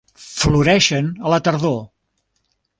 Floreixen a la tardor.